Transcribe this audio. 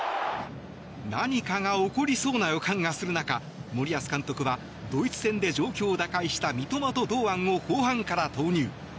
何かが起こりそうな予感がする中森保監督はドイツ戦で状況を打開した三笘と堂安を後半から投入。